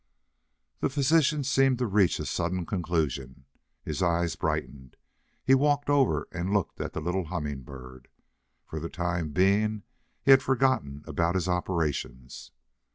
The physician seemed to reach a sudden conclusion. His eyes brightened. He walked over and looked at the little Humming Bird. For the time being he forgot about his operations.